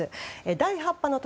第８波の時